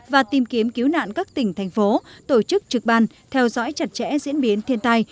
và tìm kiếm cứu nạn các tỉnh thành phố tổ chức trực ban theo dõi chặt chẽ diễn biến thiên tai